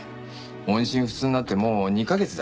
音信不通になってもう２カ月だしな。